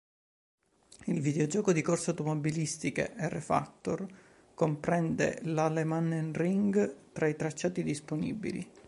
Il videogioco di corse automobilistiche "R-Factor" comprende l'Alemannenring tra i tracciati disponibili.